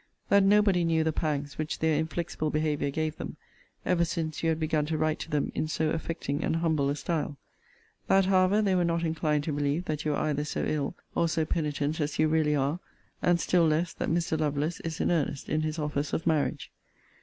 'That nobody knew the pangs which their inflexible behaviour gave them, ever since you had begun to write to them in so affecting and humble a style. 'That, however, they were not inclined to believe that you were either so ill, or so penitent as you really are; and still less, that Mr. Lovelace is in earnest in his offers of marriage.